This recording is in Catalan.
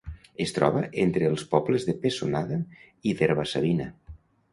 Es troba entre els pobles de Pessonada i d'Herba-savina.